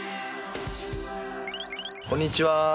こんにちは。